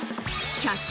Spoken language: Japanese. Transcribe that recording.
１００均